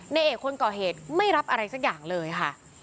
ในเอกคนก่อเหตุไม่รับอะไรสักอย่างเลยค่ะ